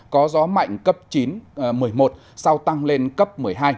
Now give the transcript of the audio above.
có gió mạnh cấp chín một mươi một sau tăng lên cấp một mươi hai một mươi ba